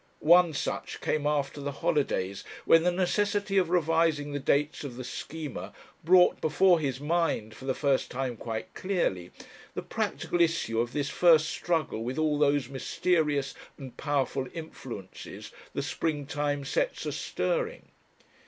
One such came after the holidays, when the necessity of revising the dates of the Schema brought before his mind, for the first time quite clearly, the practical issue of this first struggle with all those mysterious and powerful influences the spring time sets a stirring.